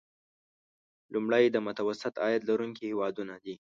لومړی د متوسط عاید لرونکي هیوادونه دي.